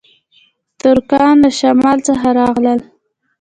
ترکان له شمال څخه راغلل